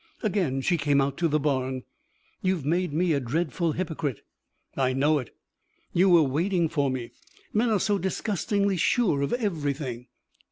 Again she came out to the barn. "You've made me a dreadful hypocrite." "I know it." "You were waiting for me! Men are so disgustingly sure of everything!"